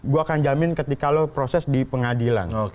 gue akan jamin ketika lo proses di pengadilan